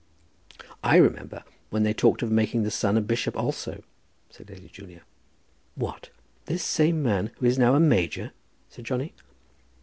"I remember when they talked of making the son a bishop also," said Lady Julia. "What; this same man who is now a major?" said Johnny.